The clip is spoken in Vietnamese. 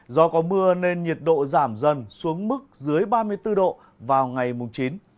do có mưa nên nhiệt độ giảm dần xuống mức dưới ba mươi bốn độ vào ngày mùng chín